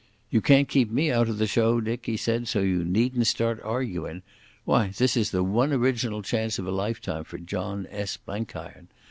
"You can't keep me out of the show, Dick," he said, "so you needn't start arguing. Why, this is the one original chance of a lifetime for John S. Blenkiron.